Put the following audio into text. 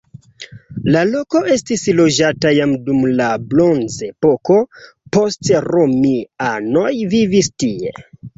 La loko estis loĝata jam dum la bronzepoko, poste romianoj vivis tie.